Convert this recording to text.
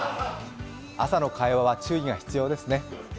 朝の会話は注意が必要ですね。